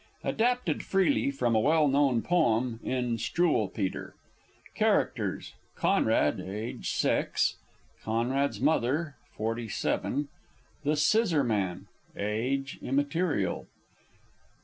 (Adapted freely from a well known Poem in the "Struwwelpeter.") CHARACTERS. Conrad (aged 6). Conrad's Mother(47). _The Scissorman (age immaterial).